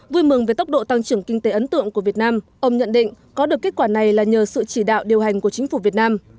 vui mừng về tốc độ tăng trưởng kinh tế ấn tượng của việt nam ông nhận định có được kết quả này là nhờ sự chỉ đạo điều hành của chính phủ việt nam